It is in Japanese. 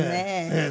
ええ。